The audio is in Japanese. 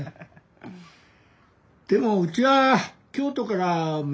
でもうちは京都から娘が来た。